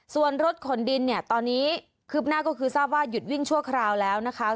ส่วนรถขนดินเนี่ยตอนนี้คืบหน้าก็คือทราบว่าหยุดวิ่งชั่วคราวแล้วนะคะ